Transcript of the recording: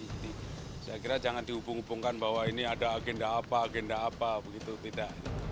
jadi saya kira jangan dihubung hubungkan bahwa ini ada agenda apa agenda apa begitu tidak